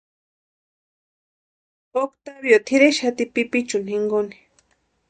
Octavio tʼireraxati pipichuni jinkoni.